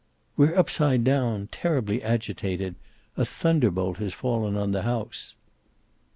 "We're upside down terribly agitated. A thunderbolt has fallen on the house."